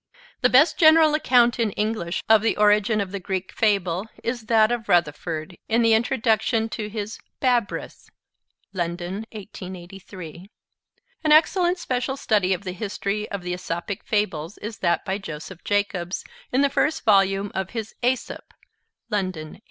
The best general account in English of the origin of the Greek Fable is that of Rutherford in the introduction to his 'Babrius' (London, 1883). An excellent special study of the history of the Aesopic Fables is that by Joseph Jacobs in the first volume of his 'Aesop' (London, 1889).